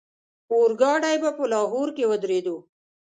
اورګاډی به په لاهور کې ودرېدو.